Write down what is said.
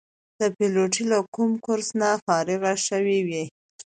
د پیلوټۍ له کوم کورس نه فارغ شوي وو.